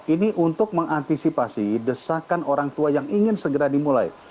ini untuk mengantisipasi desakan orang tua yang ingin segera dimulai